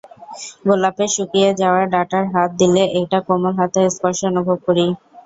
গোলাপের শুকিয়ে যাওয়া ডাঁটায় হাত দিলে একটা কোমল হাতের স্পর্শ অনুভব করি।